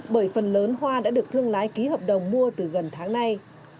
bởi phần lớn hoa đã được thương lái ký hợp đồng mua từ gần tháng nay